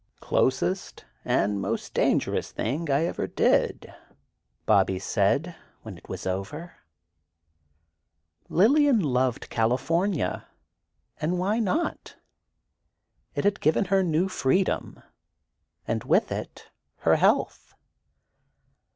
"Closest and most dangerous thing I ever did," Bobby said when it was over. Lillian loved California, and why not? It had given her a new freedom, and with it, her health.